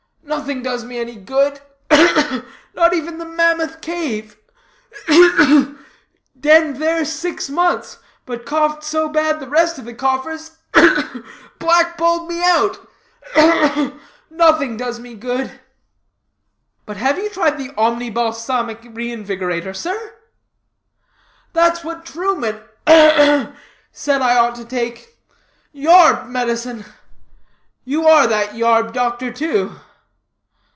Nothing does me any good ugh! ugh! Not even the Mammoth Cave. Ugh! ugh! Denned there six months, but coughed so bad the rest of the coughers ugh! ugh! black balled me out. Ugh, ugh! Nothing does me good." "But have you tried the Omni Balsamic Reinvigorator, sir?" "That's what that Truman ugh, ugh! said I ought to take. Yarb medicine; you are that yarb doctor, too?"